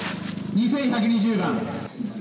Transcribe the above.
２１２０番。